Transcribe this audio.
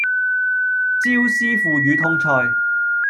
椒絲腐乳通菜